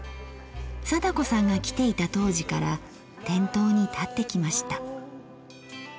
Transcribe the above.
貞子さんが来ていた当時から店頭に立ってきました。